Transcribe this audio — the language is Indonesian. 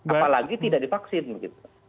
apalagi tidak divaksin gitu